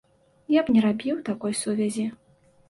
Я б не рабіў такой сувязі.